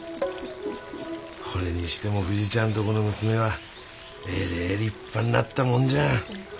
ほれにしてもふじちゃんとこの娘はえれえ立派んなったもんじゃん。